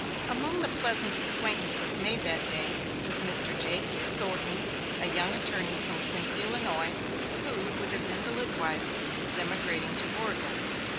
Among the pleasant acquaintances made that day, was Mr. J.Q. Thornton, a young attorney from Quincy, Illinois, who, with his invalid wife, was emigrating to Oregon.